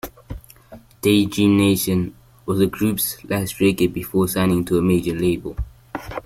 "Daydream Nation" was the group's last record before signing to a major label.